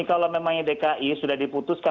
kalau memang dki sudah diputuskan